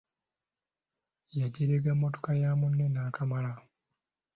Yagyerega mmotoka ya munne n'akamala.